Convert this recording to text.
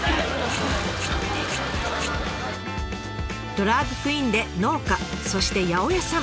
ドラァグクイーンで農家そして八百屋さん。